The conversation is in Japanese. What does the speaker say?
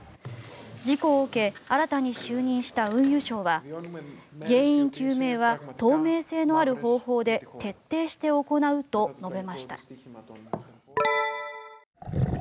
事故を受け新たに就任した運輸相は原因究明は透明性のある方法で徹底して行うと述べました。